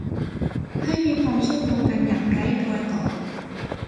ให้มีความเชื่อมโยงกันอย่างไร้รอยต่อ